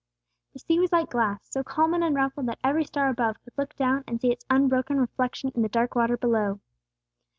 The sea was like glass, so calm and unruffled that every star above could look down and see its unbroken reflection in the dark water below.